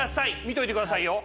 見といてくださいよ。